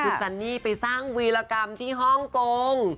คุณซันนี่ไปสร้างวีรกรรมที่ฮ่องกง